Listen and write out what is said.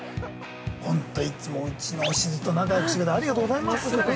本当いつも、うちのおしずと仲よくしてくれてありがとうございます。